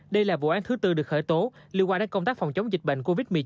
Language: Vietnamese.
đây là vụ án thứ tư được khởi tố liên quan đến công tác phòng chống dịch bệnh covid một mươi chín